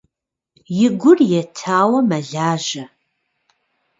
И гур етауэ мэлажьэ.